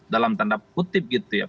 dalam tanda kutip gitu ya